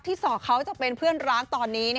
สอกเขาจะเป็นเพื่อนร้านตอนนี้